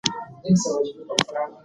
ګوله په ډېر احترام سره سپي ته وړاندې شوه.